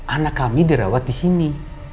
anak kami dirawat di sini